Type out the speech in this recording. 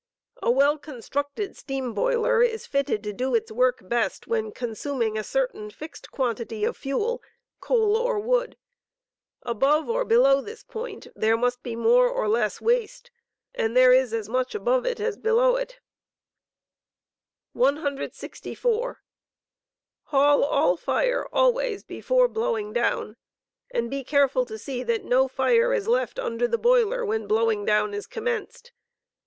A well constructed steam boiler is fitted to do its work best when con suming a certain fixed quantity of fuel (coal or wood). Above or below this point there must be more or less waste, and there is as rauoh above it as below it 164. Haul all fire always before blowing down, and be careful to see that no fire is Ruling fee*, left under the*boiler when blowing down is commenced.